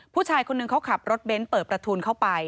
ผู้ชายคนนึงเขาขับรถเบ้นเปิดประทูลเข้าไป